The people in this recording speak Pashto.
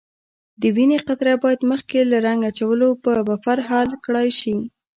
د وینې قطره باید مخکې له رنګ اچولو په بفر حل کړای شي.